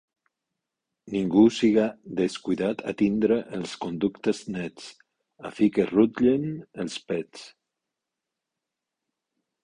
Ningú siga descuidat a tindre els conductes nets, a fi que rutllen els pets.